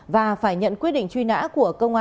và phải nhận quyết định truy nã của công an